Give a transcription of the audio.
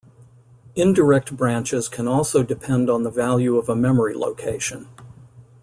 Indirect branches can also depend on the value of a memory location.